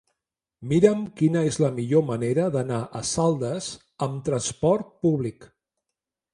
Mira'm quina és la millor manera d'anar a Saldes amb trasport públic.